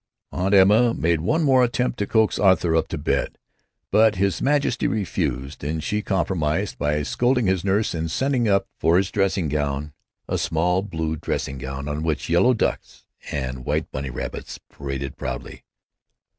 Aunt Emma made one more attempt to coax Arthur up to bed, but his Majesty refused, and she compromised by scolding his nurse and sending up for his dressing gown, a small, blue dressing gown on which yellow ducks and white bunny rabbits paraded proudly.